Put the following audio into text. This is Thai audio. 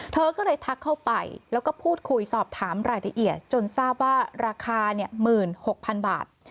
เธอก็เลยทักเข้าไปแล้วก็พูดคุยสอบถามรายละเอียดจนทราบว่าราคา๑๖๐๐๐บาท